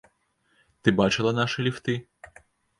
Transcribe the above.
Ты бачыла нашы ліфты?